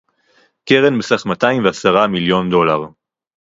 קרן בסך מאתיים ועשרה מיליון דולר